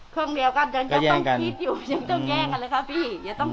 เครื่องเดียวก็ยังต้องแย่งกันเลยค่ะพี่